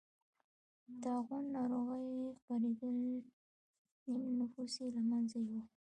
د طاعون ناروغۍ خپرېدل نییم نفوس یې له منځه یووړ.